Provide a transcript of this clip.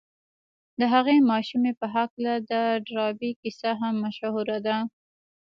د هغې ماشومې په هکله د ډاربي کيسه هم مشهوره ده.